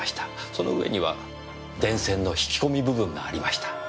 その上には電線の引き込み部分がありました。